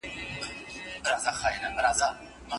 رسول الله څه ډول د ميرمنو تر منځ عدل کاوه؟